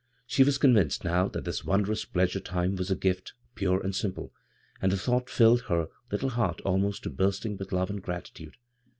She was convinced now that this wondrous pleasure time was a gift, pure and simple, and the thou^t filled her little heart almost to bursting with love and gratitude.